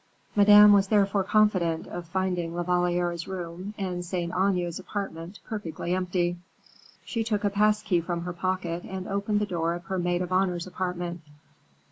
Madame was therefore confident of finding La Valliere's room and Saint Aignan's apartment perfectly empty. She took a pass key from her pocket and opened the door of her maid of honor's apartment.